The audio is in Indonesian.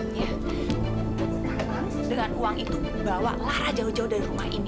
sekarang dengan uang itu bawa lara jauh jauh dari rumah ini